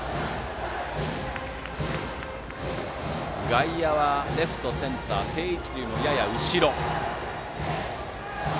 外野はレフト、センターは定位置よりやや後ろ。